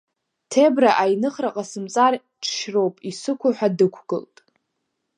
Ҭебра аиныхра ҟасымҵар ҽшьроуп исықәу ҳәа дықәгылт.